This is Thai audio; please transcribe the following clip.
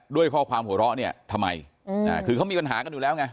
ด้วยข้อความหัวเราะเนี่ยทำไมคือเขามีปัญหากันอยู่แล้วไง